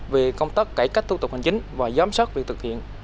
về công tác cải cách thủ tục hành chính và giám sát việc thực hiện